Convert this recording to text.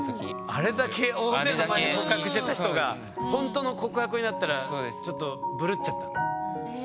あれだけ大勢の前で告白してた人がほんとの告白になったらちょっとブルっちゃったんだ緊張しちゃって。